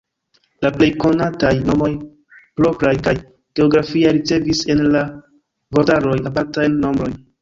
La plej konataj nomoj propraj kaj geografiaj ricevis en la vortaroj apartajn nombrojn.